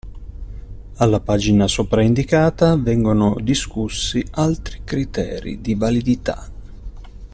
Alla pagina sopraindicata vengono discussi altri criteri di validità.